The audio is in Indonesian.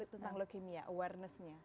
tentang leukemia awareness nya